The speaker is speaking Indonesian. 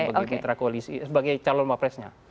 sebagai mitra koalisi sebagai calon wapresnya